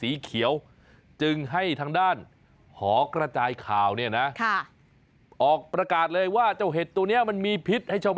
เดินกันไม่ตรงเลยแหละคุณผู้ชม